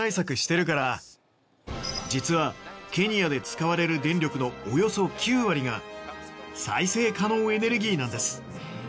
実はケニアで使われる電力のおよそ９割が再生可能エネルギーなんです。